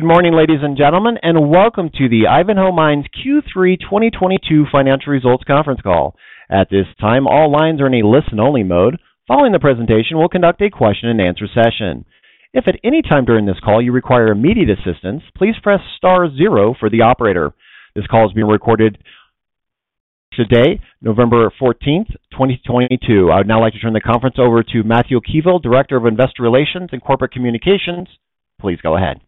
Good morning, ladies and gentlemen, and welcome to the Ivanhoe Mines Q3 2022 financial results conference call. At this time, all lines are in a listen only mode. Following the presentation, we'll conduct a question and answer session. If at any time during this call you require immediate assistance, please press star zero for the operator. This call is being recorded today, November 14th, 2022. I would now like to turn the conference over to Matthew Keevil, Director of Investor Relations and Corporate Communications. Please go ahead.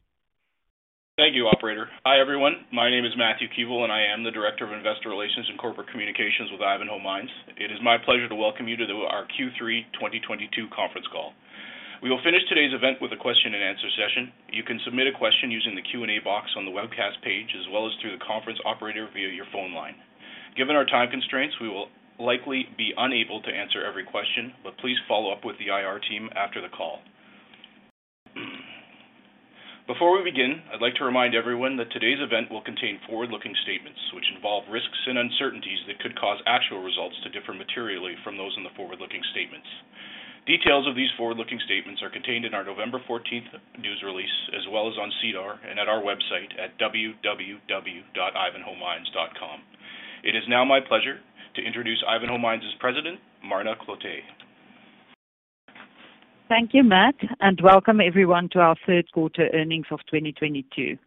Thank you, operator. Hi everyone. My name is Matthew Keevil and I am the Director of Investor Relations and Corporate Communications with Ivanhoe Mines. It is my pleasure to welcome you to our Q3 2022 conference call. We will finish today's event with a question and answer session. You can submit a question using the Q&A box on the webcast page as well as through the conference operator via your phone line. Given our time constraints, we will likely be unable to answer every question, but please follow up with the IR team after the call. Before we begin, I'd like to remind everyone that today's event will contain forward-looking statements which involve risks and uncertainties that could cause actual results to differ materially from those in the forward-looking statements. Details of these forward-looking statements are contained in our November 14th news release as well as on SEDAR and at our website at www.ivanhoemines.com. It is now my pleasure to introduce Ivanhoe Mines' President, Marna Cloete. Thank you, Matt, and welcome everyone to our third quarter earnings of 2022.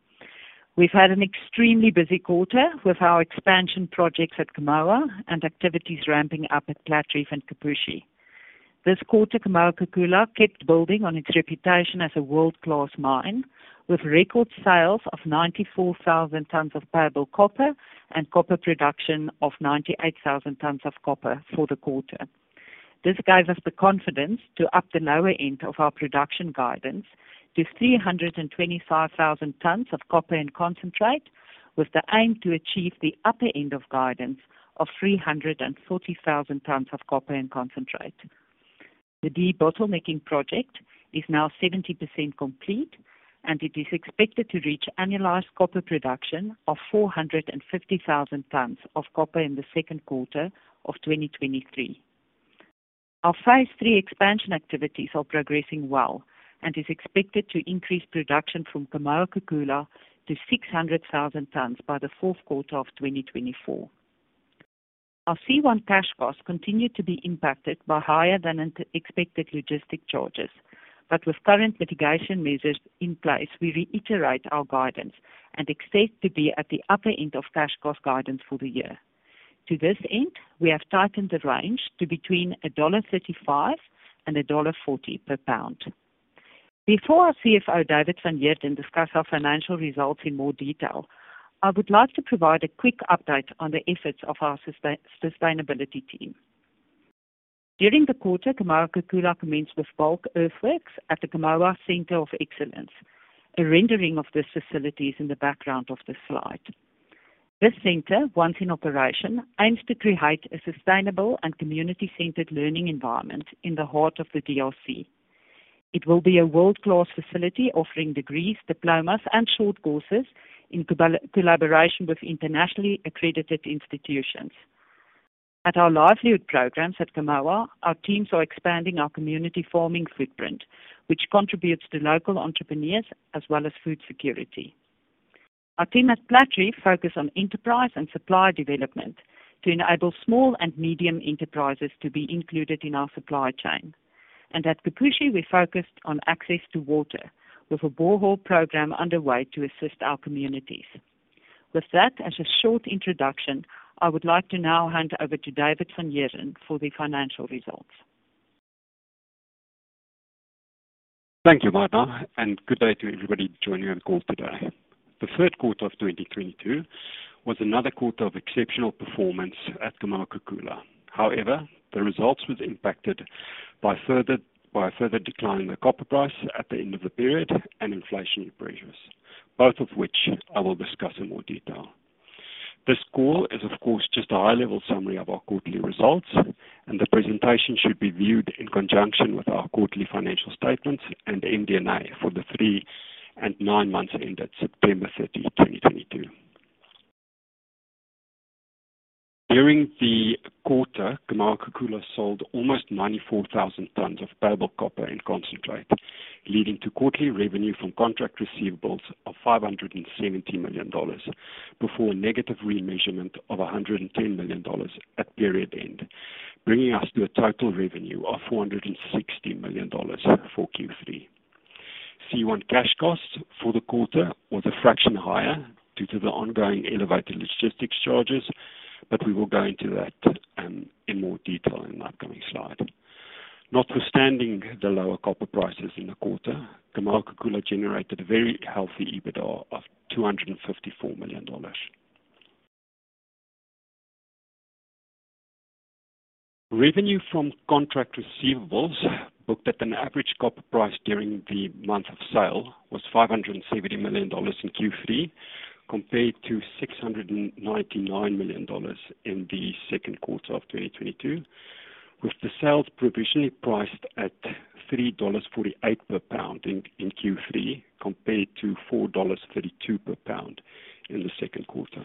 We've had an extremely busy quarter with our expansion projects at Kamoa and activities ramping up at Platreef and Kipushi. This quarter, Kamoa-Kakula kept building on its reputation as a world-class mine with record sales of 94,000 tons of payable copper and copper production of 98,000 tons of copper for the quarter. This gave us the confidence to up the lower end of our production guidance to 325,000 tons of copper and concentrate, with the aim to achieve the upper end of guidance of 340,000 tons of copper and concentrate. The debottlenecking project is now 70% complete and it is expected to reach annualized copper production of 450,000 tons of copper in the second quarter of 2023. Our phase III expansion activities are progressing well and is expected to increase production from Kamoa-Kakula to 600,000 tons by the fourth quarter of 2024. Our C1 cash costs continue to be impacted by higher than expected logistics charges. With current mitigation measures in place, we reiterate our guidance and expect to be at the upper end of cash cost guidance for the year. To this end, we have tightened the range to between $1.35 and $1.40 per pound. Before our CFO, David van Heerden, discuss our financial results in more detail, I would like to provide a quick update on the efforts of our sustainability team. During the quarter, Kamoa-Kakula commenced with bulk earthworks at the Kamoa Center of Excellence. A rendering of this facility is in the background of this slide. This center, once in operation, aims to create a sustainable and community-centered learning environment in the heart of the DRC. It will be a world-class facility offering degrees, diplomas, and short courses in collaboration with internationally accredited institutions. At our livelihood programs at Kamoa, our teams are expanding our community farming footprint, which contributes to local entrepreneurs as well as food security. Our team at Platreef focus on enterprise and supplier development to enable small and medium enterprises to be included in our supply chain. At Kipushi we focused on access to water with a borehole program underway to assist our communities. With that as a short introduction, I would like to now hand over to David van Heerden for the financial results. Thank you, Marna, and good day to everybody joining on call today. The third quarter of 2022 was another quarter of exceptional performance at Kamoa-Kakula. However, the results was impacted by further decline in the copper price at the end of the period and inflationary pressures, both of which I will discuss in more detail. This call is, of course, just a high-level summary of our quarterly results, and the presentation should be viewed in conjunction with our quarterly financial statements and MD&A for the three and nine months ended September 30, 2022. During the quarter, Kamoa-Kakula sold almost 94,000 tons of payable copper and concentrate, leading to quarterly revenue from contract receivables of $570 million, before a negative remeasurement of $110 million at period end, bringing us to a total revenue of $460 million for Q3. C1 cash costs for the quarter was a fraction higher due to the ongoing elevated logistics charges, but we will go into that, in more detail in an upcoming slide. Notwithstanding the lower copper prices in the quarter, Kamoa-Kakula generated a very healthy EBITDA of $254 million. Revenue from contract receivables, booked at an average copper price during the month of sale, was $570 million in Q3 compared to $699 million in the second quarter of 2022, with the sales provisionally priced at $3.48 per pound in Q3 compared to $4.32 per pound in the second quarter.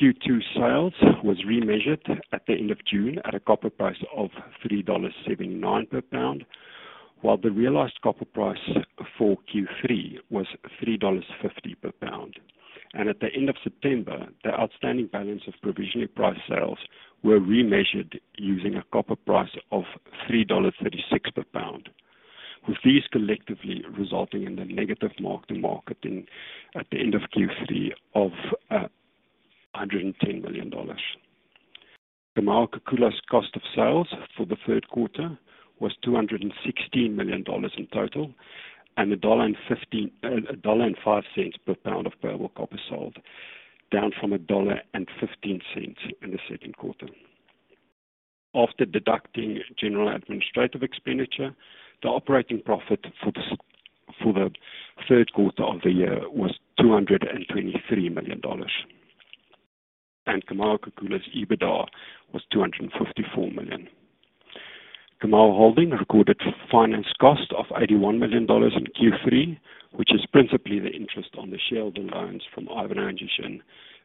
Q2 sales was remeasured at the end of June at a copper price of $3.79 per pound, while the realized copper price for Q3 was $3.50 per pound. At the end of September, the outstanding balance of provisionally priced sales were remeasured using a copper price of $3.36 per pound, with these collectively resulting in the negative mark-to-market at the end of Q3 of $110 million. Kamoa-Kakula's cost of sales for the third quarter was $216 million in total, and $1.15, $1.05 per pound of payable copper sold, down from $1.15 in the second quarter. After deducting general administrative expenditure, the operating profit for the third quarter of the year was $223 million. Kamoa-Kakula's EBITDA was $254 million. Kamoa Holding recorded finance cost of $81 million in Q3, which is principally the interest on the shareholder loans from Ivanhoe Mines,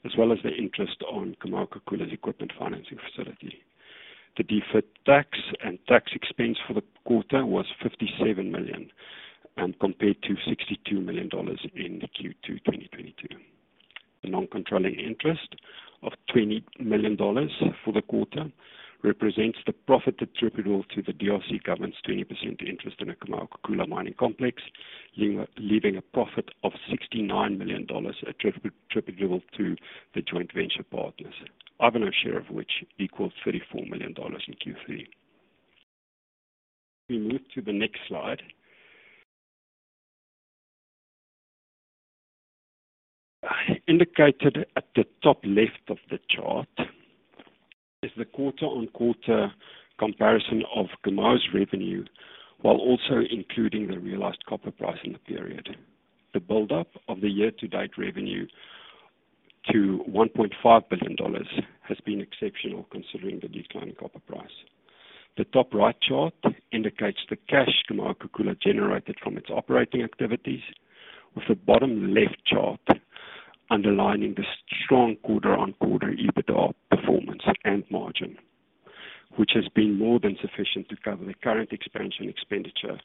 as well as the interest on Kamoa-Kakula's equipment financing facility. The deferred tax and tax expense for the quarter was $57 million, and compared to $62 million in the Q2, 2022. The non-controlling interest of $20 million for the quarter represents the profit attributable to the DRC government's 20% interest in the Kamoa-Kakula Copper Complex, leaving a profit of $69 million attributable to the joint venture partners. Ivanhoe's share of which equals $34 million in Q3. We move to the next slide. Indicated at the top left of the chart is the quarter-on-quarter comparison of Kamoa's revenue, while also including the realized copper price in the period. The build-up of the year-to-date revenue to $1.5 billion has been exceptional considering the decline in copper price. The top right chart indicates the cash Kamoa-Kakula generated from its operating activities, with the bottom left chart underlining the strong quarter-on-quarter EBITDA performance and margin, which has been more than sufficient to cover the current expansion expenditure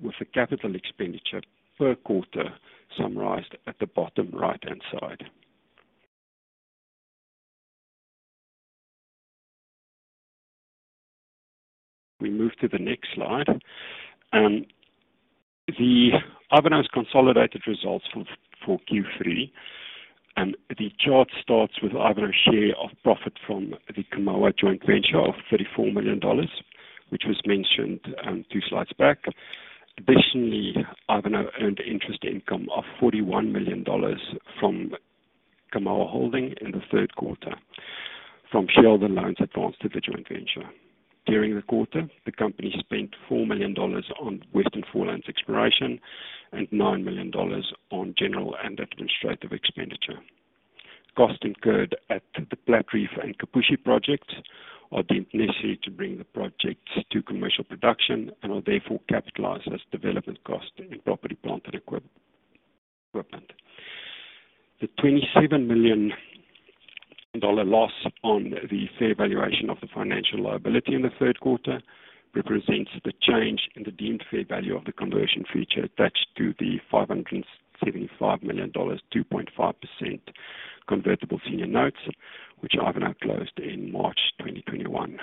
with the capital expenditure per quarter summarized at the bottom right-hand side. We move to the next slide. Ivanhoe's consolidated results for Q3. The chart starts with Ivanhoe's share of profit from the Kamoa joint venture of $34 million, which was mentioned two slides back. Additionally, Ivanhoe earned interest income of $41 million from Kamoa Holding in the third quarter from shareholder loans advanced to the joint venture. During the quarter, the company spent $4 million on Western Foreland exploration and $9 million on general and administrative expenditure. Costs incurred at the Platreef and Kipushi projects are deemed necessary to bring the projects to commercial production and are therefore capitalized as development costs in property, plant, and equipment. The $27 million loss on the fair valuation of the financial liability in the third quarter represents the change in the deemed fair value of the conversion feature attached to the $575 million, 2.5% convertible senior notes, which Ivanhoe closed in March 2021.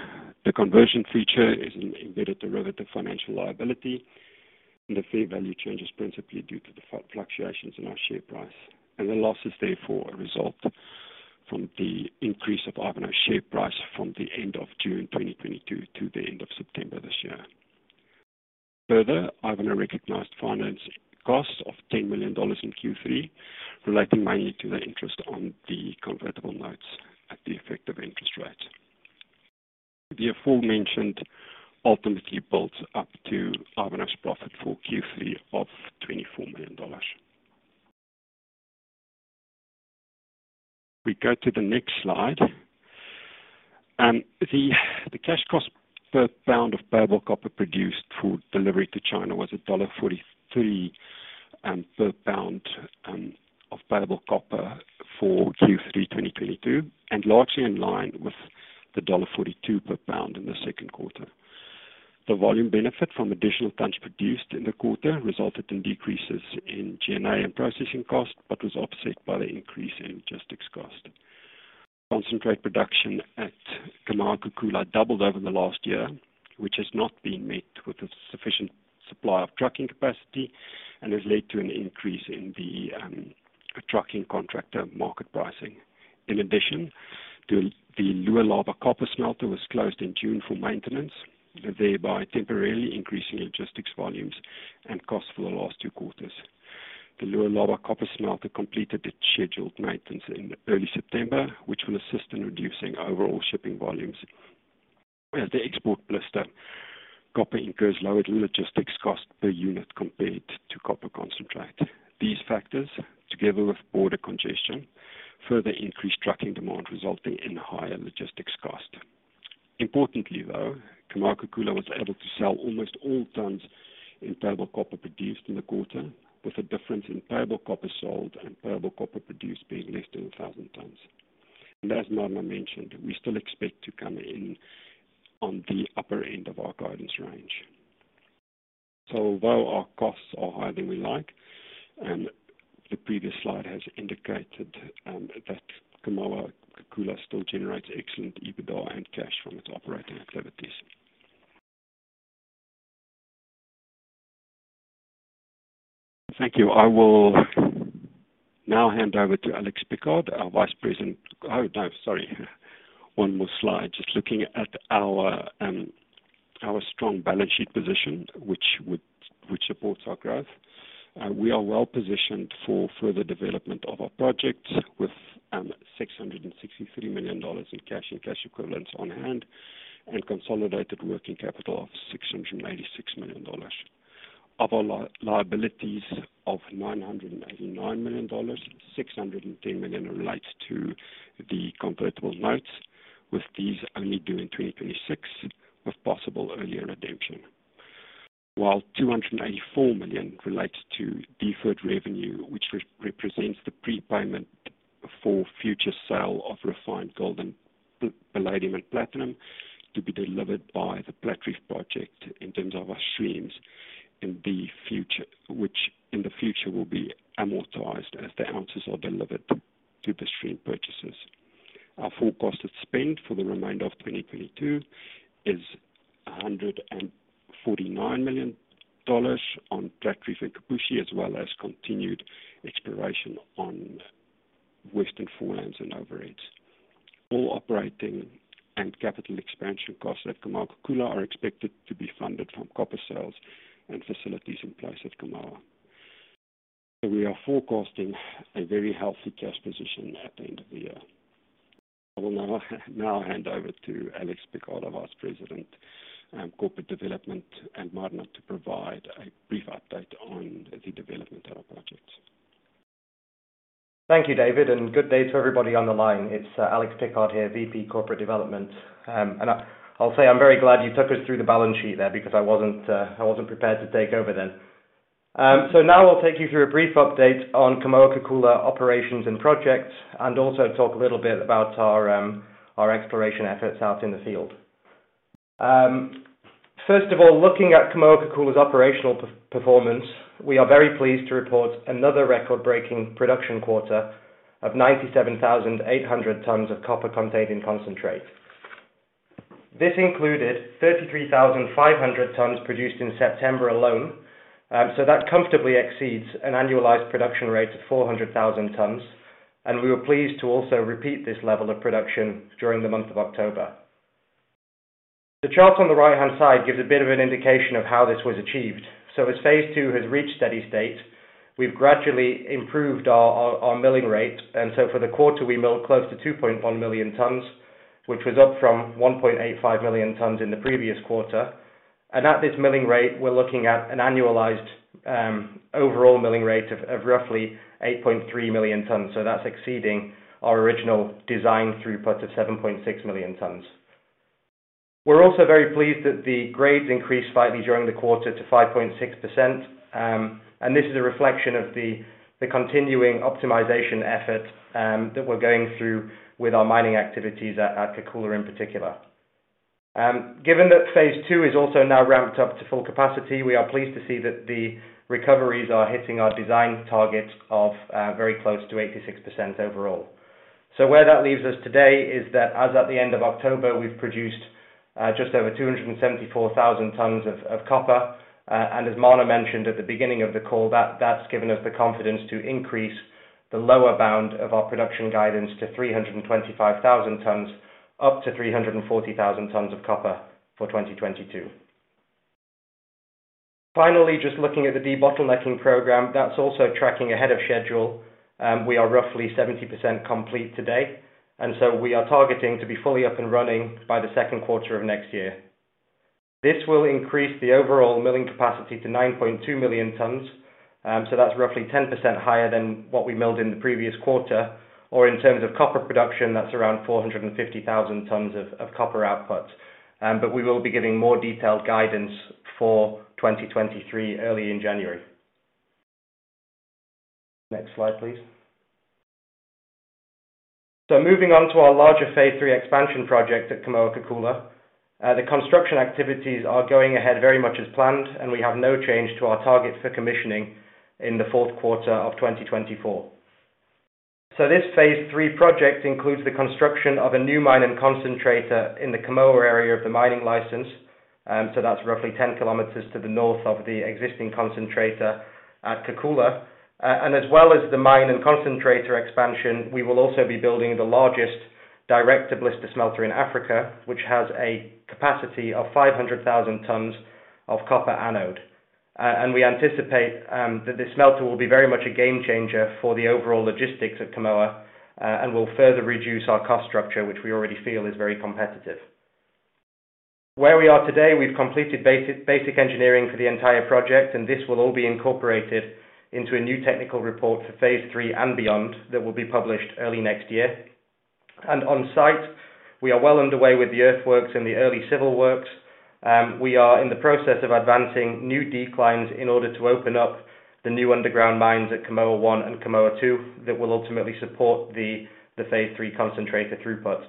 The conversion feature is an embedded derivative financial liability, and the fair value change is principally due to the fluctuations in our share price, and the loss is therefore a result from the increase of Ivanhoe's share price from the end of June 2022 to the end of September this year. Further, Ivanhoe recognized finance costs of $10 million in Q3, relating mainly to the interest on the convertible notes at the effective interest rate. The aforementioned ultimately builds up to Ivanhoe's profit for Q3 of $24 million. We go to the next slide. The cash cost per pound of payable copper produced for delivery to China was $1.43 per pound of payable copper for Q3 2022, and largely in line with the $1.42 per pound in the second quarter. The volume benefit from additional tons produced in the quarter resulted in decreases in G&A and processing costs, but was offset by the increase in logistics cost. Concentrate production at Kamoa-Kakula doubled over the last year, which has not been met with a sufficient supply of trucking capacity and has led to an increase in the trucking contractor market pricing. In addition, the Lualaba Copper Smelter was closed in June for maintenance, thereby temporarily increasing logistics volumes and costs for the last two quarters. The Lualaba Copper Smelter completed its scheduled maintenance in early September, which will assist in reducing overall shipping volumes. As the export blister copper incurs lower logistics cost per unit compared to copper concentrate. These factors, together with border congestion, further increased trucking demand resulting in higher logistics cost. Importantly, though, Kamoa-Kakula was able to sell almost all tons in payable copper produced in the quarter, with a difference in payable copper sold and payable copper produced being less than 1,000 tons. As Marna mentioned, we still expect to come in on the upper end of our guidance range. While our costs are higher than we like, and the previous slide has indicated that Kamoa-Kakula still generates excellent EBITDA and cash from its operating activities. Thank you. I will now hand over to Alex Pickard, our vice president. Oh, no, sorry. One more slide. Just looking at our strong balance sheet position, which supports our growth. We are well-positioned for further development of our projects with $663 million in cash and cash equivalents on hand, and consolidated working capital of $686 million. Of our liabilities of $989 million, $610 million relates to the convertible notes, with these only due in 2026, with possible earlier redemption. While $284 million relates to deferred revenue, which represents the prepayment for future sale of refined gold and palladium and platinum to be delivered by the Platreef project in terms of our streams in the future. Which in the future will be amortized as the ounces are delivered to the stream purchasers. Our forecasted spend for the remainder of 2022 is $149 million on Platreef and Kipushi, as well as continued exploration on Western Foreland and overheads. All operating and capital expansion costs at Kamoa-Kakula are expected to be funded from copper sales and facilities in place at Kamoa. We are forecasting a very healthy cash position at the end of the year. I will now hand over to Alex Pickard, our Vice President, Corporate Development, and Marna to provide a brief update on the development of our projects. Thank you, David, and good day to everybody on the line. It's Alex Pickard here, VP, Corporate Development. I'll say I'm very glad you took us through the balance sheet there because I wasn't prepared to take over then. Now I'll take you through a brief update on Kamoa-Kakula operations and projects, and also talk a little bit about our exploration efforts out in the field. First of all, looking at Kamoa-Kakula's operational performance, we are very pleased to report another record-breaking production quarter of 97,800 tons of copper-containing concentrate. This included 33,500 tons produced in September alone. That comfortably exceeds an annualized production rate of 400,000 tons. We were pleased to also repeat this level of production during the month of October. The chart on the right-hand side gives a bit of an indication of how this was achieved. As phase II has reached steady state, we've gradually improved our milling rate. For the quarter, we milled close to 2.1 million tons, which was up from 1.85 million tons in the previous quarter. At this milling rate, we're looking at an annualized overall milling rate of roughly 8.3 million tons. That's exceeding our original design throughput of 7.6 million tons. We're also very pleased that the grades increased slightly during the quarter to 5.6%. This is a reflection of the continuing optimization effort that we're going through with our mining activities at Kakula in particular. Given that phase II is also now ramped up to full capacity, we are pleased to see that the recoveries are hitting our design target of very close to 86% overall. Where that leaves us today is that as at the end of October, we've produced just over 274,000 tons of copper. As Marna mentioned at the beginning of the call, that's given us the confidence to increase the lower bound of our production guidance to 325,000-340,000 tons of copper for 2022. Finally, just looking at the debottlenecking program, that's also tracking ahead of schedule. We are roughly 70% complete today, and so we are targeting to be fully up and running by the second quarter of next year. This will increase the overall milling capacity to 9.2 million tons. That's roughly 10% higher than what we milled in the previous quarter. In terms of copper production, that's around 450,000 tons of copper output. We will be giving more detailed guidance for 2023 early in January. Next slide, please. Moving on to our larger phase III expansion project at Kamoa-Kakula. The construction activities are going ahead very much as planned, and we have no change to our target for commissioning in the fourth quarter of 2024. This phase III project includes the construction of a new mine and concentrator in the Kamoa area of the mining license. That's roughly 10 km to the north of the existing concentrator at Kakula. As well as the mine and concentrator expansion, we will also be building the largest direct-to-blister smelter in Africa, which has a capacity of 500,000 tons of copper anode. We anticipate that this smelter will be very much a game changer for the overall logistics at Kamoa, and will further reduce our cost structure, which we already feel is very competitive. Where we are today, we've completed basic engineering for the entire project, and this will all be incorporated into a new technical report for phase III and beyond that will be published early next year. On site, we are well underway with the earthworks and the early civil works. We are in the process of advancing new declines in order to open up the new underground mines at Kamoa One and Kamoa Two that will ultimately support the phase three concentrator throughput.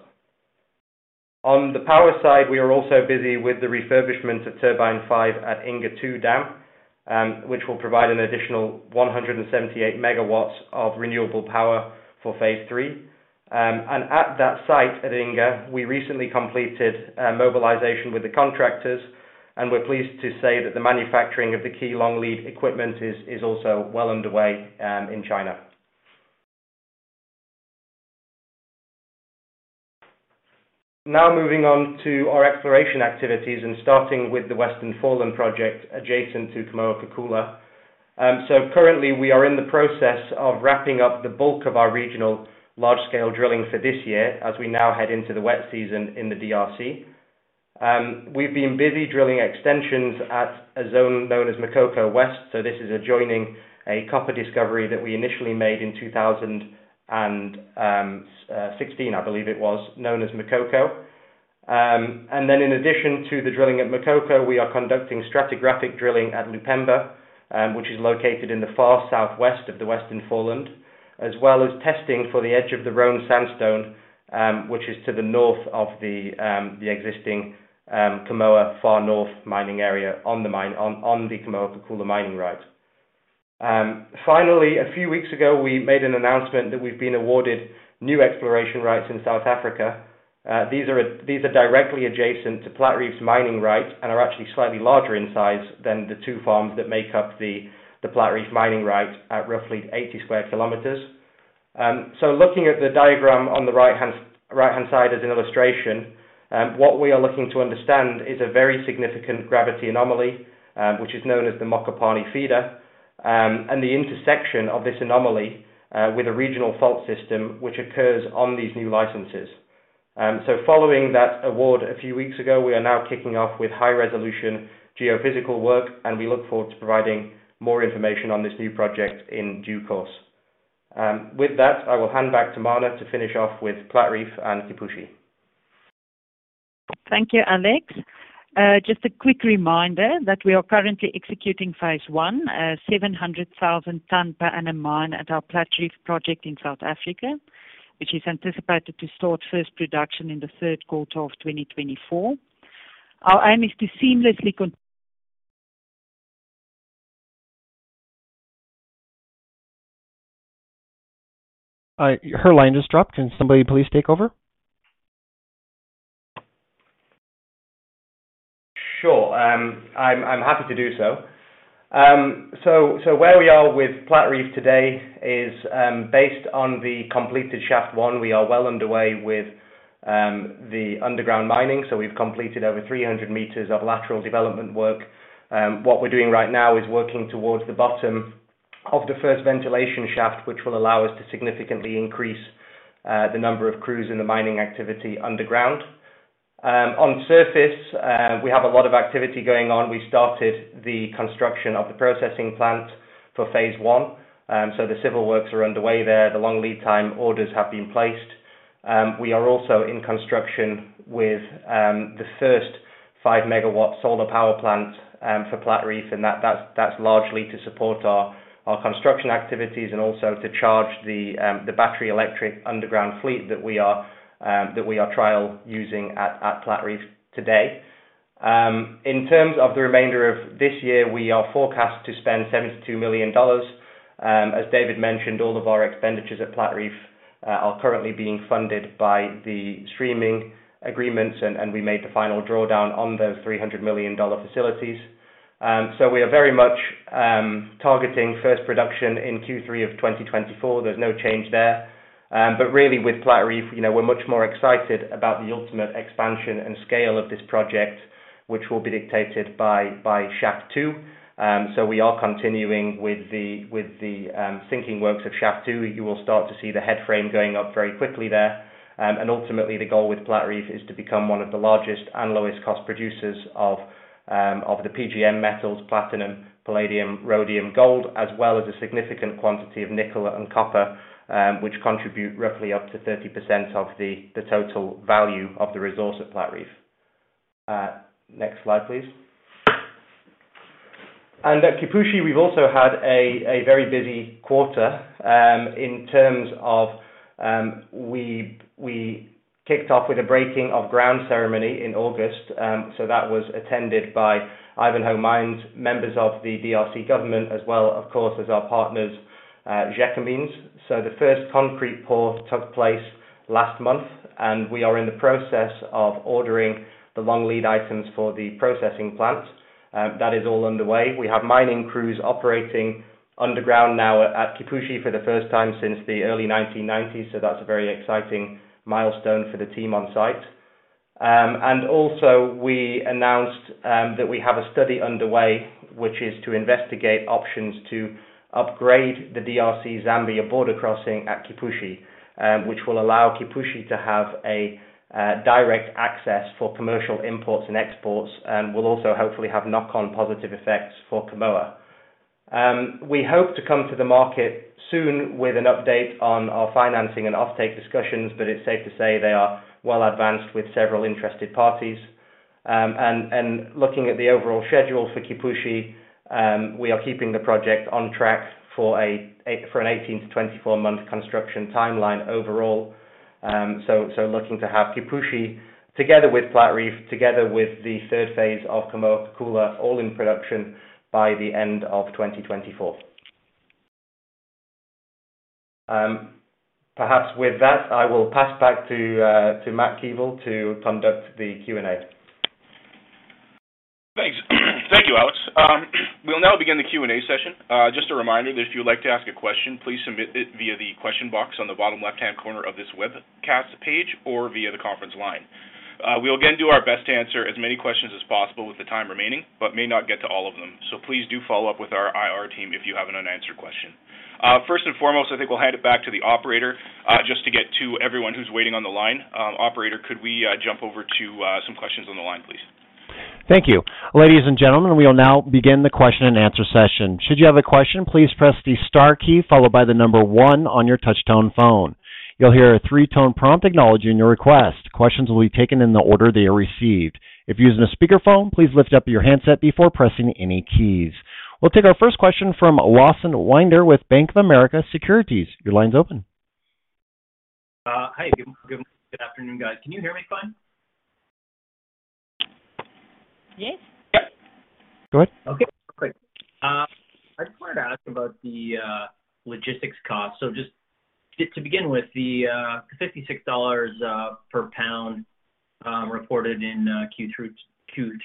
On the power side, we are also busy with the refurbishment of Turbine 5 at Inga II dam, which will provide an additional 178 MW of renewable power for phase III. At that site at Inga, we recently completed mobilization with the contractors, and we're pleased to say that the manufacturing of the key long lead equipment is also well underway in China. Now moving on to our exploration activities and starting with the Western Foreland project adjacent to Kamoa-Kakula. Currently we are in the process of wrapping up the bulk of our regional large scale drilling for this year as we now head into the wet season in the DRC. We've been busy drilling extensions at a zone known as Makoko West, so this is adjoining a copper discovery that we initially made in 2016, I believe it was known as Makoko. In addition to the drilling at Makoko, we are conducting stratigraphic drilling at Lupemba, which is located in the far southwest of the Western Foreland, as well as testing for the edge of the Roan Sandstone, which is to the north of the existing Kamoa far north mining area on the Kamoa-Kakula mining right. Finally, a few weeks ago, we made an announcement that we've been awarded new exploration rights in South Africa. These are directly adjacent to Platreef's mining right, and are actually slightly larger in size than the two farms that make up the Platreef mining right at roughly 80 sq km. Looking at the diagram on the right hand side as an illustration, what we are looking to understand is a very significant gravity anomaly, which is known as the Mokopane Feeder, and the intersection of this anomaly with a regional fault system which occurs on these new licenses. Following that award a few weeks ago, we are now kicking off with high resolution geophysical work, and we look forward to providing more information on this new project in due course. With that, I will hand back to Marna to finish off with Platreef and Kipushi. Thank you, Alex. Just a quick reminder that we are currently executing phase one, a 700,000 ton per annum mine at our Platreef project in South Africa, which is anticipated to start first production in the third quarter of 2024. Our aim is to seamlessly con- Her line just dropped. Can somebody please take over? Sure, I'm happy to do so. Where we are with Platreef today is based on the completed Shaft 1. We are well underway with the underground mining, so we've completed over 300 meters of lateral development work. What we're doing right now is working towards the bottom of the first ventilation shaft, which will allow us to significantly increase the number of crews in the mining activity underground. On surface, we have a lot of activity going on. We started the construction of the processing plant for phase II. The civil works are underway there. The long lead time orders have been placed. We are also in construction with the first 5-MW solar power plant for Platreef, and that's largely to support our construction activities and also to charge the battery electric underground fleet that we are trial using at Platreef today. In terms of the remainder of this year, we are forecast to spend $72 million. As David mentioned, all of our expenditures at Platreef are currently being funded by the streaming agreements and we made the final drawdown on those $300 million facilities. We are very much targeting first production in Q3 of 2024. There's no change there. Really with Platreef, you know, we're much more excited about the ultimate expansion and scale of this project, which will be dictated by Shaft 2. We are continuing with the sinking works of Shaft 2. You will start to see the headframe going up very quickly there. Ultimately the goal with Platreef is to become one of the largest and lowest cost producers of the PGM metals, platinum, palladium, rhodium, gold, as well as a significant quantity of nickel and copper, which contribute roughly up to 30% of the total value of the resource at Platreef. Next slide, please. At Kipushi, we've also had a very busy quarter in terms of we kicked off with a breaking of ground ceremony in August. That was attended by Ivanhoe Mines, members of the DRC government as well, of course, as our partners, Gécamines. The first concrete pour took place last month, and we are in the process of ordering the long lead items for the processing plant. That is all underway. We have mining crews operating underground now at Kipushi for the first time since the early 1990s, so that's a very exciting milestone for the team on site. We announced that we have a study underway, which is to investigate options to upgrade the DRC Zambia border crossing at Kipushi, which will allow Kipushi to have a direct access for commercial imports and exports and will also hopefully have knock-on positive effects for Kamoa. We hope to come to the market soon with an update on our financing and offtake discussions, but it's safe to say they are well advanced with several interested parties. Looking at the overall schedule for Kipushi, we are keeping the project on track for a 18-24 month construction timeline overall. Looking to have Kipushi together with Platreef, together with the third phase of Kamoa-Kakula all in production by the end of 2024. Perhaps with that, I will pass back to Matt Keevil to conduct the Q&A. Thanks. Thank you, Alex. We'll now begin the Q&A session. Just a reminder that if you would like to ask a question, please submit it via the question box on the bottom left-hand corner of this webcast page or via the conference line. We'll again do our best to answer as many questions as possible with the time remaining, but may not get to all of them. Please do follow up with our IR team if you have an unanswered question. First and foremost, I think we'll hand it back to the operator, just to get to everyone who's waiting on the line. Operator, could we jump over to some questions on the line, please? Thank you. Ladies and gentlemen, we will now begin the question and answer session. Should you have a question, please press the star key followed by the number one on your touch tone phone. You'll hear a three-tone prompt acknowledging your request. Questions will be taken in the order they are received. If you're using a speakerphone, please lift up your handset before pressing any keys. We'll take our first question from Lawson Winder with Bank of America Securities. Your line's open. Good afternoon, guys. Can you hear me fine? Yes. Go ahead. Okay, perfect. I just wanted to ask about the logistics cost. Just to begin with the $56 per pound reported in Q1 through to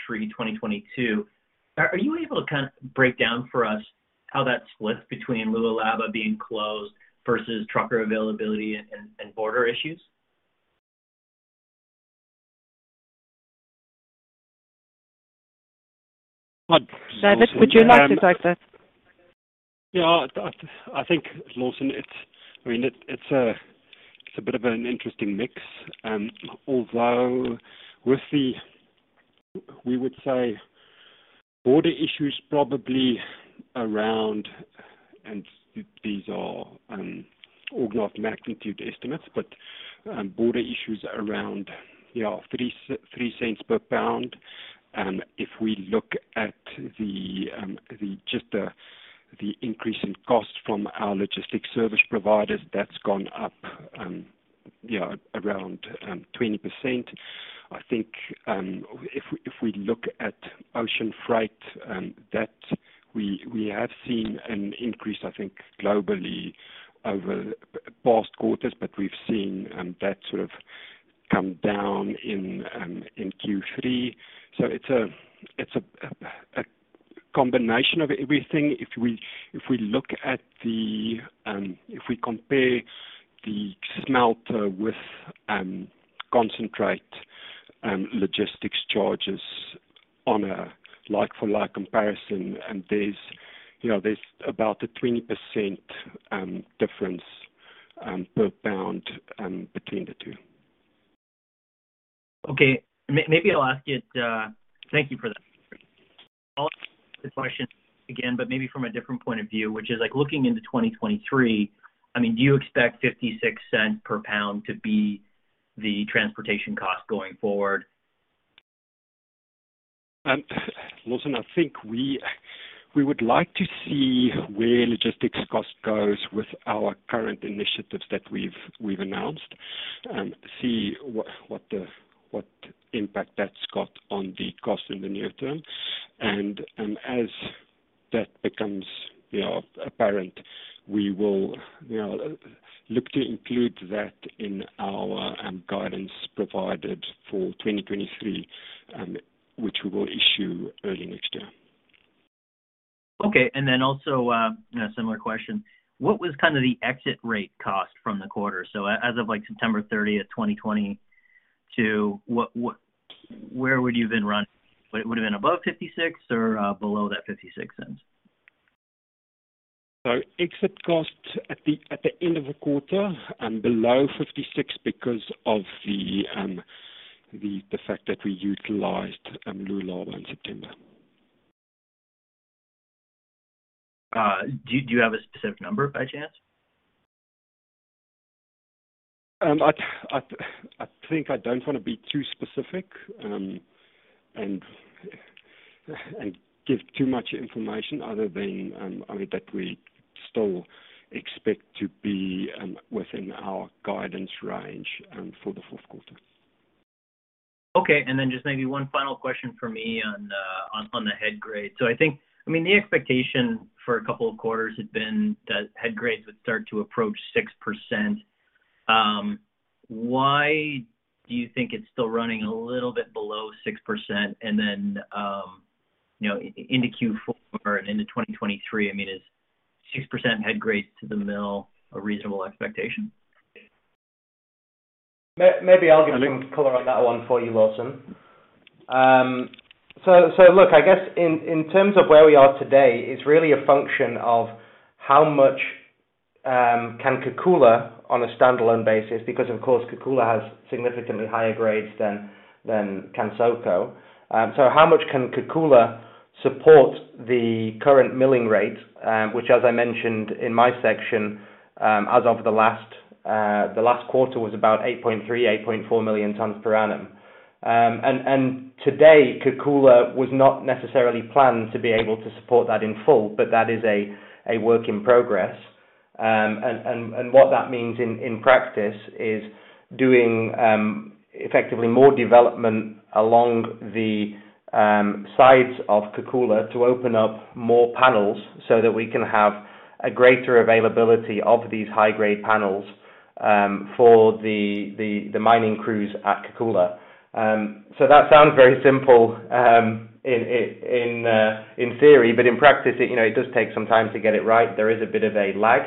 Q3 2022. Are you able to kind of break down for us how that splits between Lualaba being closed versus trucker availability and border issues? David, would you like to take that? Yeah. I think, Lawson, I mean, it's a bit of an interesting mix. Although with the border issues probably around, and these are order of magnitude estimates, but yeah $0.03 per pound. If we look at just the increase in cost from our logistics service providers, that's gone up around 20%. I think if we look at ocean freight that we have seen an increase, I think globally over past quarters, but we've seen that sort of come down in Q3. It's a combination of everything. If we compare the smelter with concentrate logistics charges on a like for like comparison, and there's, you know, about a 20% difference per pound between the two. Maybe I'll ask it. Thank you for that. I'll ask the question again, maybe from a different point of view, which is like looking into 2023, I mean, do you expect $0.56 per pound to be the transportation cost going forward? Lawson, I think we would like to see where logistics cost goes with our current initiatives that we've announced, see what impact that's got on the cost in the near term. As that becomes, you know, apparent, we will, you know, look to include that in our guidance provided for 2023, which we will issue early next year. Okay. Also, a similar question. What was kind of the exit rate cost from the quarter? As of like September 30th, 2020, to what, where would you then run? Would it have been above $0.56 or below that $0.56? C1 cash cost at the end of the quarter and below 56 because of the fact that we utilized Lualaba in September. Do you have a specific number by chance? I think I don't wanna be too specific, and give too much information other than, I mean, that we still expect to be within our guidance range for the fourth quarter. Okay, just maybe one final question for me on the head grade. I think, I mean, the expectation for a couple of quarters had been that head grades would start to approach 6%. Why do you think it's still running a little bit below 6%? You know, into Q4 and into 2023, I mean, is 6% head grade to the mill a reasonable expectation? Maybe I'll give some color on that one for you, Lawson. Look, I guess in terms of where we are today, it's really a function of how much Can Kakula on a standalone basis, because of course, Kakula has significantly higher grades than Kansoko. How much can Kakula support the current milling rate? Which as I mentioned in my section, as of the last quarter was about 8.3-8.4 million tons per annum. What that means in practice is doing effectively more development along the sides of Kakula to open up more panels so that we can have a greater availability of these high-grade panels for the mining crews at Kakula. That sounds very simple in theory, but in practice it, you know, it does take some time to get it right. There is a bit of a lag.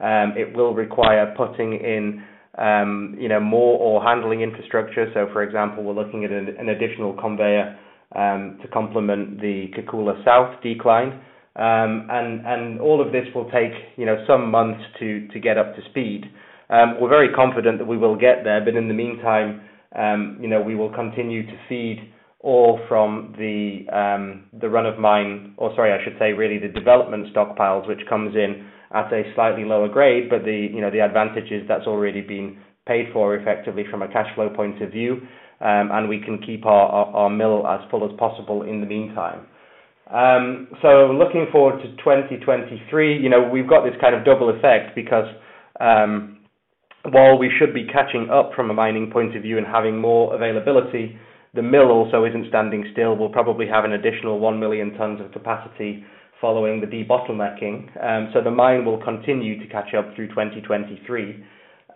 It will require putting in, you know, more ore handling infrastructure. For example, we're looking at an additional conveyor to complement the Kakula South decline. And all of this will take, you know, some months to get up to speed. We're very confident that we will get there, but in the meantime, you know, we will continue to feed all from the run of mine. Sorry, I should say really the development stockpiles, which comes in at a slightly lower grade. You know, the advantage is that's already been paid for effectively from a cash flow point of view. We can keep our mill as full as possible in the meantime. Looking forward to 2023, you know, we've got this kind of double effect because, while we should be catching up from a mining point of view and having more availability, the mill also isn't standing still. We'll probably have an additional one million tons of capacity following the debottlenecking. The mine will continue to catch up through 2023.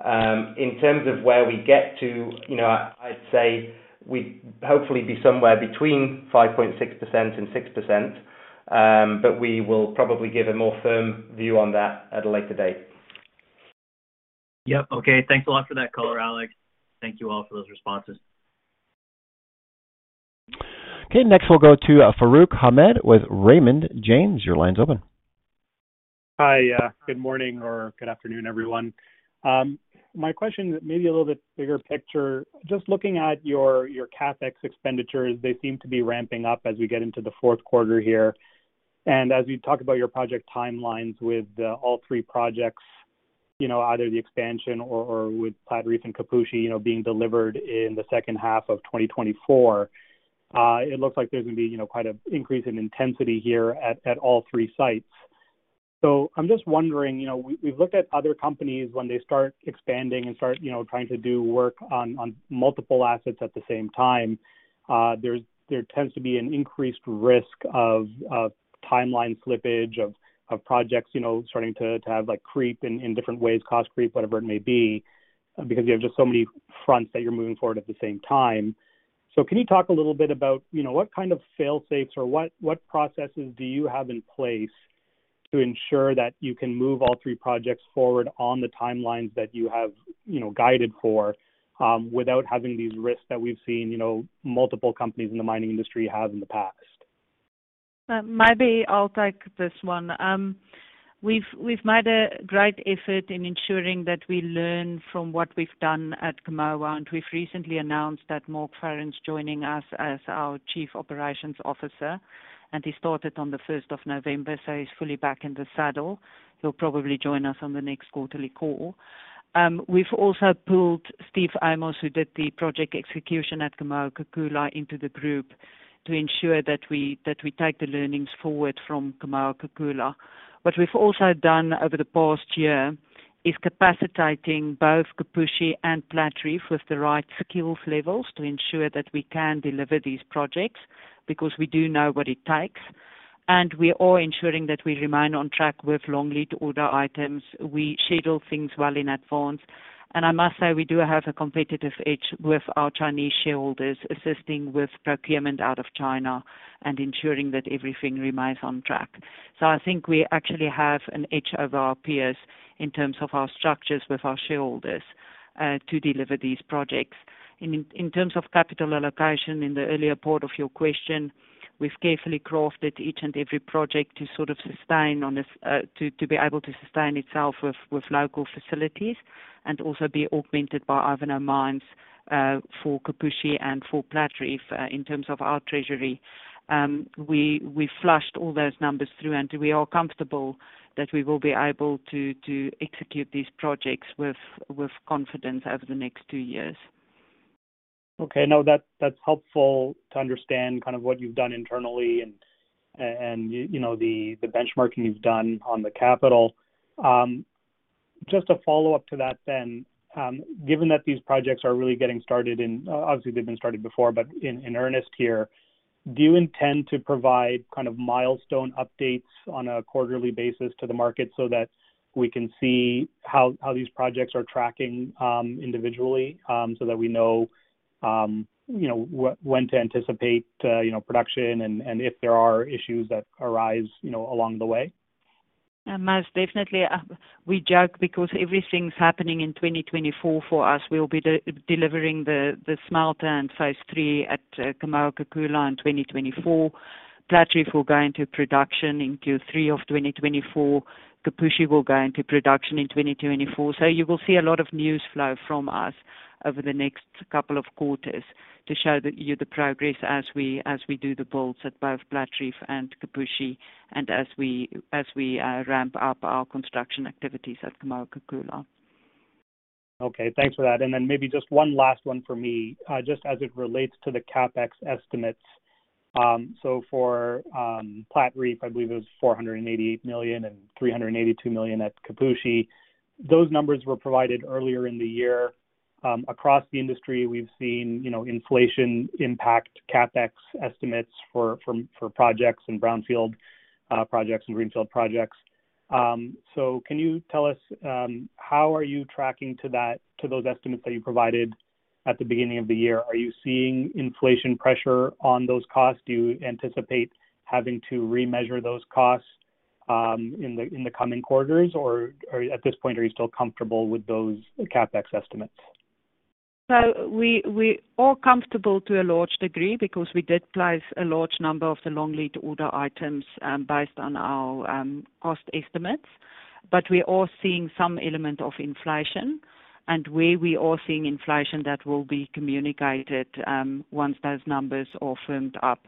In terms of where we get to, you know, I'd say we'd hopefully be somewhere between 5.6% and 6%. But we will probably give a more firm view on that at a later date. Yep. Okay. Thanks a lot for that color, Alex. Thank you all for those responses. Okay. Next we'll go to Farooq Hamed with Raymond James. Your line's open. Hi. Good morning or good afternoon, everyone. My question is maybe a little bit bigger picture. Just looking at your CapEx expenditures, they seem to be ramping up as we get into the fourth quarter here. As we talk about your project timelines with all three projects, you know, either the expansion or with Platreef and Kipushi, you know, being delivered in the second half of 2024, it looks like there's gonna be, you know, quite an increase in intensity here at all three sites. I'm just wondering, you know, we've looked at other companies when they start expanding and start, you know, trying to do work on multiple assets at the same time. There tends to be an increased risk of timeline slippage of projects, you know, starting to have like creep in different ways, cost creep, whatever it may be, because you have just so many fronts that you're moving forward at the same time. Can you talk a little bit about, you know, what kind of fail-safes or what processes do you have in place to ensure that you can move all three projects forward on the timelines that you have, you know, guided for, without having these risks that we've seen, you know, multiple companies in the mining industry have in the past? Maybe I'll take this one. We've made a great effort in ensuring that we learn from what we've done at Kamoa, and we've recently announced that Mark Farren's joining us as our Chief Operating Officer, and he started on the first of November, so he's fully back in the saddle. He'll probably join us on the next quarterly call. We've also pulled Steve Amos, who did the project execution at Kamoa-Kakula, into the group to ensure that we take the learnings forward from Kamoa-Kakula. What we've also done over the past year is capacitating both Kipushi and Platreef with the right skills levels to ensure that we can deliver these projects because we do know what it takes. We are ensuring that we remain on track with long lead order items. We schedule things well in advance. I must say, we do have a competitive edge with our Chinese shareholders assisting with procurement out of China and ensuring that everything remains on track. I think we actually have an edge over our peers in terms of our structures with our shareholders to deliver these projects. In terms of capital allocation in the earlier part of your question, we've carefully crafted each and every project to be able to sustain itself with local facilities and also be augmented by Ivanhoe Mines for Kipushi and for Platreef in terms of our treasury. We flushed all those numbers through, and we are comfortable that we will be able to execute these projects with confidence over the next two years. Okay. No, that's helpful to understand kind of what you've done internally and, you know, the benchmarking you've done on the capital. Just a follow-up to that then. Given that these projects are really getting started and, obviously they've been started before, but in earnest here, do you intend to provide kind of milestone updates on a quarterly basis to the market so that we can see how these projects are tracking, individually, so that we know, you know, when to anticipate, you know, production and, if there are issues that arise, you know, along the way? Most definitely. We joke because everything's happening in 2024 for us. We'll be delivering the smelter and phase III at Kamoa-Kakula in 2024. Platreef will go into production in Q3 2024. Kipushi will go into production in 2024. You will see a lot of news flow from us over the next couple of quarters to show you the progress as we do the builds at both Platreef and Kipushi and as we ramp up our construction activities at Kamoa-Kakula. Okay. Thanks for that. Maybe just one last one for me, just as it relates to the CapEx estimates. So for Platreef, I believe it was $488 million and $382 million at Kipushi. Those numbers were provided earlier in the year. Across the industry, we've seen, you know, inflation impact CapEx estimates for projects and brownfield projects and greenfield projects. Can you tell us how are you tracking to those estimates that you provided at the beginning of the year? Are you seeing inflation pressure on those costs? Do you anticipate having to remeasure those costs in the coming quarters? Or at this point, are you still comfortable with those CapEx estimates? We all comfortable to a large degree because we did place a large number of the long lead order items, based on our cost estimates. We are all seeing some element of inflation. Where we are seeing inflation, that will be communicated, once those numbers are firmed up.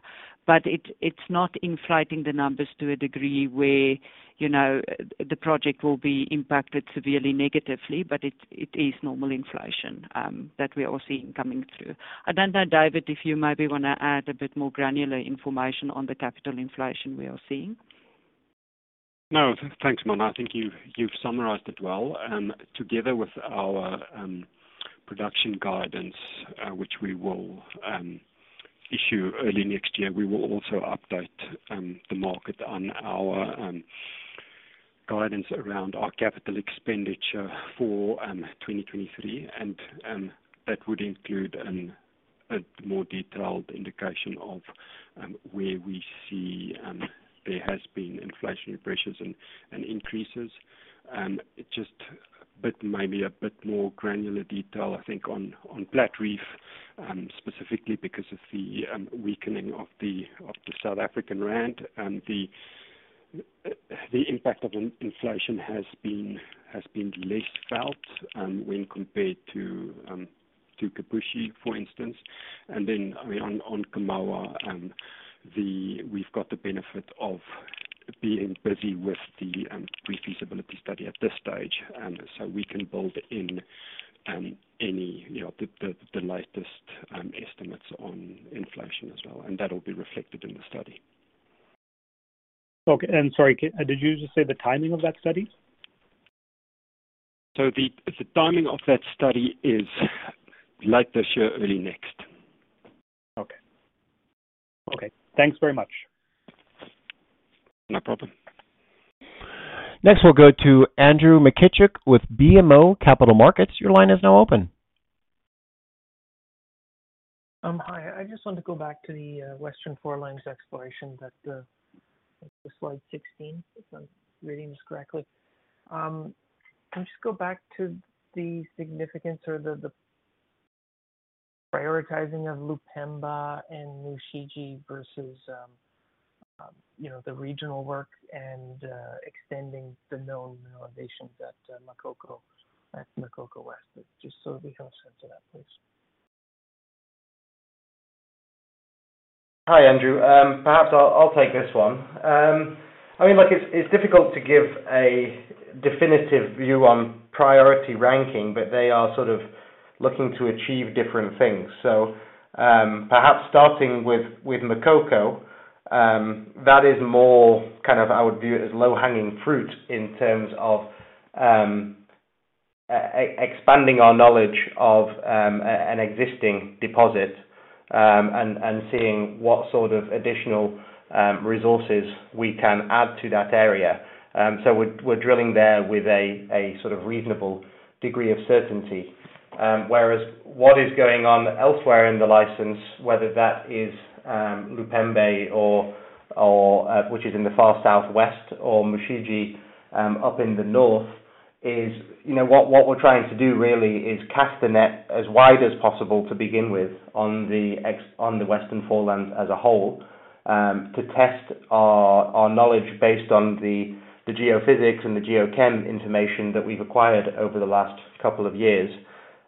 It's not inflating the numbers to a degree where, you know, the project will be impacted severely negatively, but it is normal inflation, that we are seeing coming through. I don't know, David, if you maybe wanna add a bit more granular information on the capital inflation we are seeing. No. Thanks, Marna. I think you've summarized it well. Together with our production guidance, which we will issue early next year, we will also update the market on our guidance around our capital expenditure for 2023, and that would include a more detailed indication of where we see there has been inflationary pressures and increases. Just a bit more granular detail, I think, on Platreef, specifically because of the weakening of the South African rand. The impact of inflation has been less felt when compared to Kipushi, for instance. On Kamoa, we've got the benefit of being busy with the pre-feasibility study at this stage, so we can build in any, you know, the latest estimates on inflation as well, and that'll be reflected in the study. Okay. Sorry, did you just say the timing of that study? The timing of that study is late this year, early next. Okay. Thanks very much. No problem. Next, we'll go to Andrew Mikitchook with BMO Capital Markets. Your line is now open. Hi. I just wanted to go back to the Western Foreland exploration that slide 16, if I'm reading this correctly. Can you just go back to the significance or the prioritizing of Lupemba and Mushiji versus, you know, the regional work and extending the known mineralizations at Kansoko West. Just so we have a sense of that, please. Hi, Andrew. Perhaps I'll take this one. I mean, look, it's difficult to give a definitive view on priority ranking, but they are sort of looking to achieve different things. Perhaps starting with Kansoko, that is more kind of how I would view it as low-hanging fruit in terms of expanding our knowledge of an existing deposit, and seeing what sort of additional resources we can add to that area. We're drilling there with a sort of reasonable degree of certainty. Whereas what is going on elsewhere in the license, whether that is Lupemba or which is in the far southwest or Mushiji up in the north is, you know, what we're trying to do really is cast the net as wide as possible to begin with on the Western Foreland as a whole, to test our knowledge based on the geophysics and the geochem information that we've acquired over the last couple of years.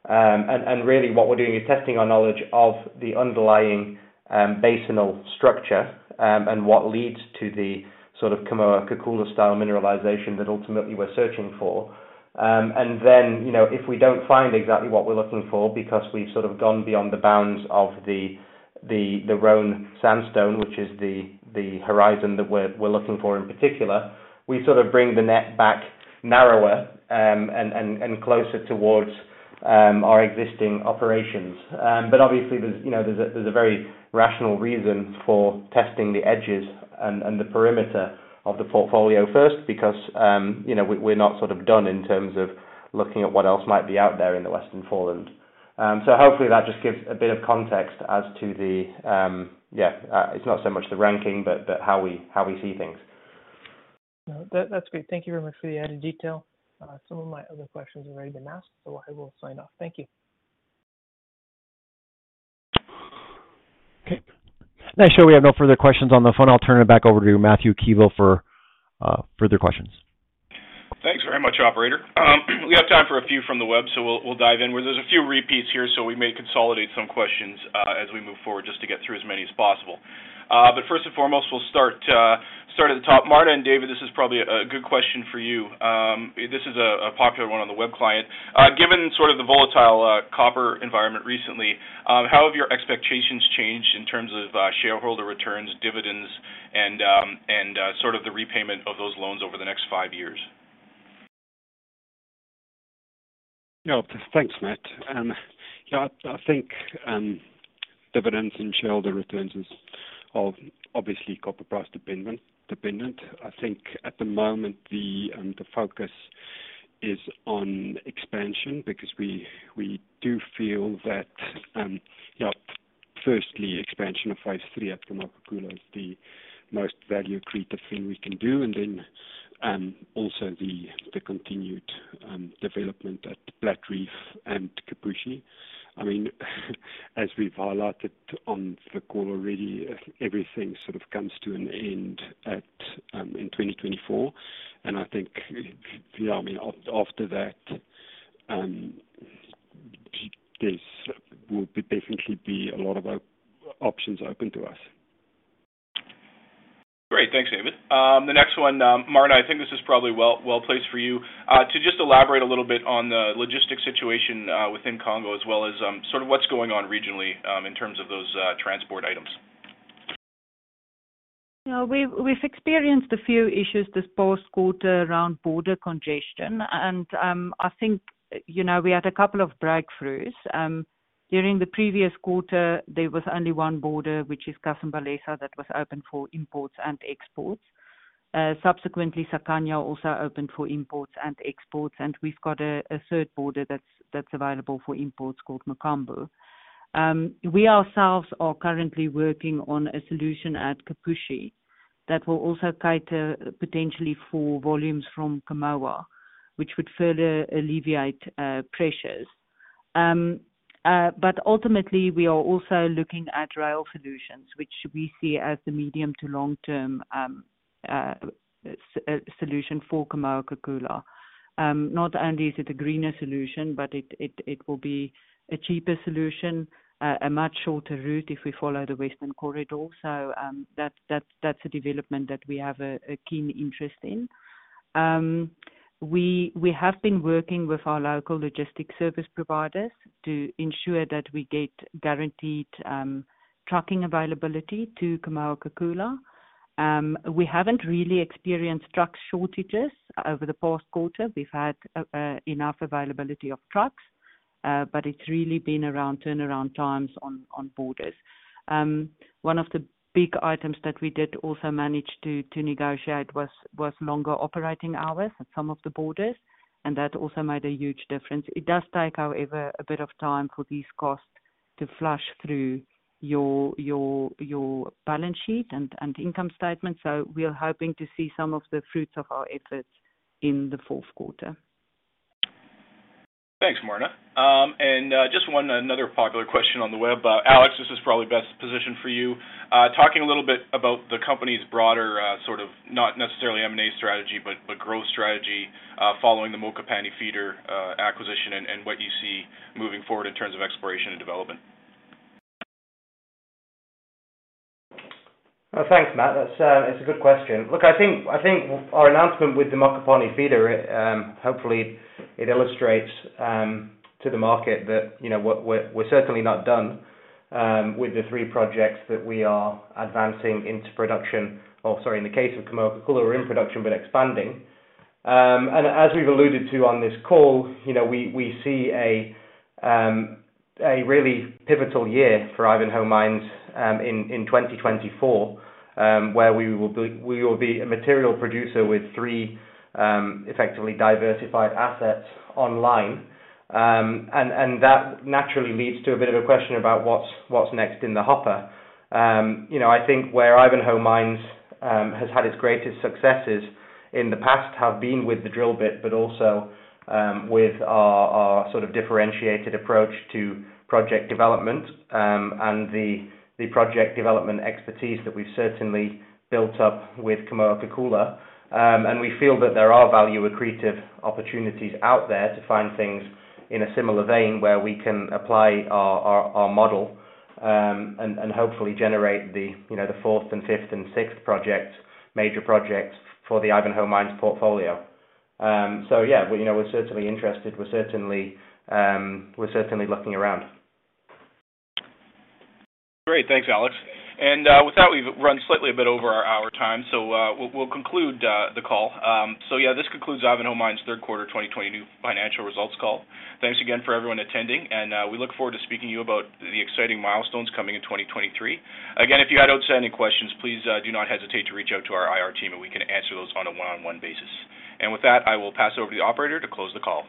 Really what we're doing is testing our knowledge of the underlying basinal structure and what leads to the sort of Kamoa-Kakula style mineralization that ultimately we're searching for. And then you know, if we don't find exactly what we're looking for because we've sort of gone beyond the bounds of the Roan Sandstone, which is the horizon that we're looking for in particular, we sort of bring the net back narrower, and closer towards our existing operations. Obviously, you know, there's a very rational reason for testing the edges and the perimeter of the portfolio first because, you know, we're not sort of done in terms of looking at what else might be out there in the Western Foreland. Hopefully that just gives a bit of context as to the, it's not so much the ranking, but how we see things. No, that's great. Thank you very much for the added detail. Some of my other questions have already been asked, so I will sign off. Thank you. Okay. I show we have no further questions on the phone. I'll turn it back over to Matthew Keevil for further questions. Thanks very much, operator. We have time for a few from the web, so we'll dive in. Well, there's a few repeats here, so we may consolidate some questions as we move forward just to get through as many as possible. First and foremost, we'll start at the top. Marna and David, this is probably a good question for you. This is a popular one on the web client. Given sort of the volatile copper environment recently, how have your expectations changed in terms of shareholder returns, dividends, and sort of the repayment of those loans over the next five years? Yeah. Thanks, Matt. I think dividends and shareholder returns is obviously copper price dependent. I think at the moment the focus is on expansion because we do feel that, yeah, firstly, expansion of phase III at Kamoa-Kakula is the most value creative thing we can do. Also the continued development at Platreef and Kipushi. I mean, as we've highlighted on the call already, everything sort of comes to an end in 2024. I think, yeah, I mean, after that, this will definitely be a lot of options open to us. Great. Thanks, David. The next one, Marna, I think this is probably well-placed for you, to just elaborate a little bit on the logistics situation, within Congo as well as, sort of what's going on regionally, in terms of those, transport items. Yeah, we've experienced a few issues this past quarter around border congestion, and I think, you know, we had a couple of breakthroughs. During the previous quarter, there was only one border, which is Kasumbalesa, that was open for imports and exports. Subsequently, Sakania also opened for imports and exports, and we've got a third border that's available for imports called Mokambo. We ourselves are currently working on a solution at Kipushi that will also cater potentially for volumes from Kamoa, which would further alleviate pressures. But ultimately, we are also looking at rail solutions, which we see as the medium to long-term solution for Kamoa-Kakula. Not only is it a greener solution, but it will be a cheaper solution, a much shorter route if we follow the Western corridor. That's a development that we have a keen interest in. We have been working with our local logistics service providers to ensure that we get guaranteed trucking availability to Kamoa-Kakula. We haven't really experienced truck shortages over the past quarter. We've had enough availability of trucks, but it's really been around turnaround times on borders. One of the big items that we did also manage to negotiate was longer operating hours at some of the borders, and that also made a huge difference. It does take, however, a bit of time for these costs to flush through your balance sheet and income statement. We are hoping to see some of the fruits of our efforts in the fourth quarter. Thanks, Marna. Just another popular question on the web. Alex, this is probably best positioned for you. Talking a little bit about the company's broader, sort of not necessarily M&A strategy, but growth strategy, following the Mokopane Feeder acquisition and what you see moving forward in terms of exploration and development. Well, thanks, Matt. That's a good question. Look, I think our announcement with the Mokopane Feeder, hopefully it illustrates to the market that, you know, we're certainly not done with the three projects that we are advancing into production or, sorry, in the case of Kamoa-Kakula, we're in production but expanding. As we've alluded to on this call, you know, we see a really pivotal year for Ivanhoe Mines in 2024, where we will be a material producer with three effectively diversified assets online. That naturally leads to a bit of a question about what's next in the hopper. You know, I think where Ivanhoe Mines has had its greatest successes in the past have been with the drill bit, but also, with our sort of differentiated approach to project development, and the project development expertise that we've certainly built up with Kamoa-Kakula. We feel that there are value accretive opportunities out there to find things in a similar vein where we can apply our model, and hopefully generate the, you know, fourth and fifth and sixth projects, major projects for the Ivanhoe Mines portfolio. Yeah, you know, we're certainly interested. We're certainly looking around. Great. Thanks, Alex. With that, we've run slightly a bit over our hour time, so we'll conclude the call. Yeah, this concludes Ivanhoe Mines' third quarter 2022 financial results call. Thanks again for everyone attending, and we look forward to speaking to you about the exciting milestones coming in 2023. Again, if you had outstanding questions, please do not hesitate to reach out to our IR team, and we can answer those on a one-on-one basis. With that, I will pass over to the operator to close the call.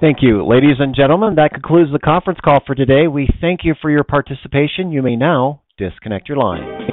Thank you. Ladies and gentlemen, that concludes the conference call for today. We thank you for your participation. You may now disconnect your line.